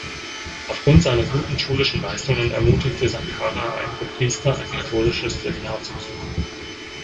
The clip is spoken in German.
Aufgrund seiner guten schulischen Leistungen ermutigten Sankara einige Priester ein katholisches Seminar zu besuchen.